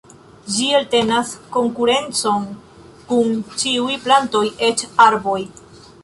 Ĝi eltenas konkurencon kun ĉiuj plantoj eĉ arboj.